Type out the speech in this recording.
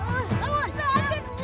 alam si pih